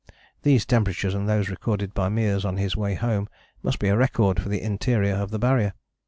These temperatures and those recorded by Meares on his way home must be a record for the interior of the Barrier.